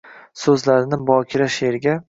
Soʻzlarini bokira sheʼrga.